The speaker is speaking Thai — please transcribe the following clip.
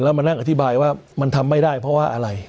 แล้วมานั่งอธิบายว่ามันทำไม่ได้เพราะว่าอะไร